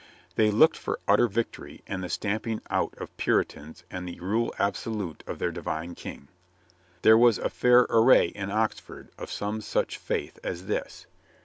They looked for utter victory and the stamping out of Puritans and the rule absolute of their divine King. There was a fair array in Oxford of some such faith as this.